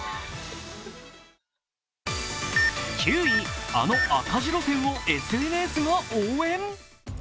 ９位、あの赤字路線をＳＮＳが応援？